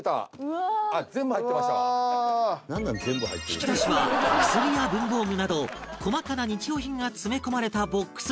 引き出しは薬や文房具など細かな日用品が詰め込まれたボックスに